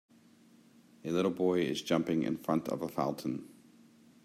A little boy is jumping in front of a fountain.